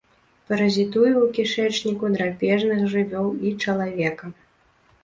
Паразітуе ў кішэчніку драпежных жывёл і чалавека.